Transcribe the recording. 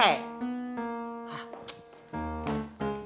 mami keluar dulu